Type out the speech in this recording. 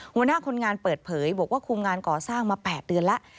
หัวหน้าคนงานเปิดเผยบอกว่าคุมงานก่อสร้างมา๘เดือนแล้ว